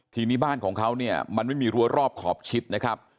ทีนี้บ้านของเขาเนี่ยมันไม่มีรั้วรอบขอบชิดนะครับ